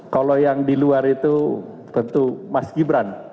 kalau yang di luar itu tentu mas gibran